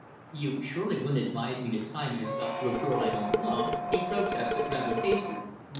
"You surely wouldn't advise me to tie myself to a girl I don't love?" he protested, rather hastily.